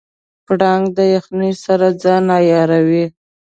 پړانګ د یخنۍ سره ځان عیاروي.